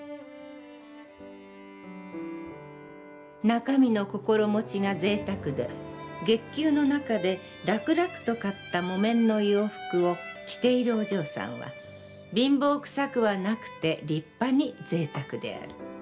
「中身の心持が贅沢で、月給の中で楽々と買った木綿の洋服を着ているお嬢さんは貧乏臭くはなくて立派に贅沢である。